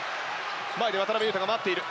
前で渡邉雄太が待っている！